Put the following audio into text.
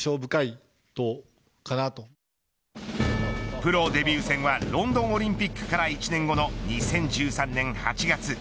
プロデビュー戦はロンドンオリンピックから１年後の２０１３年８月。